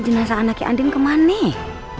jenasa anaknya andin kemana nih